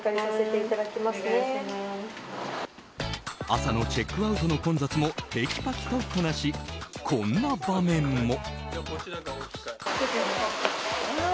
朝のチェックアウトの混雑もてきぱきとこなしこんな場面も。